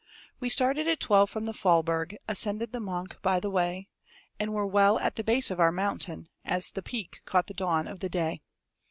We started at twelve from the Faulberg; Ascended the Monch by the way; And were well at the base of our mountain, As the peak caught the dawn of the day.